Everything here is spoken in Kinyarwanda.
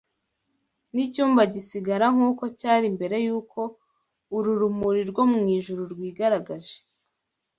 n’icyumba gisigara nk’uko cyari mbere y’uko uru rumuri rwo mu ijuru rwigaragaje